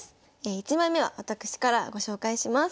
１枚目は私からご紹介します。